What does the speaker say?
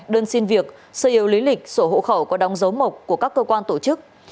đơn xin việc sơ yêu lý lịch sổ hộ khẩu có đóng dấu mộc của các cơ quan tổ chức